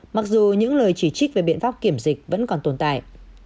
mặc dù những lời chỉ trích về biện pháp kiểm dịch vẫn còn tồn tại